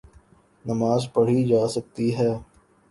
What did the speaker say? نماز پڑھی جاسکتی ہے۔